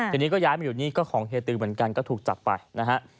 ทีนี้ก็ย้ายมาอยู่นี่ก็ของเฮียตือเหมือนกันก็ถูกจับไปนะฮะ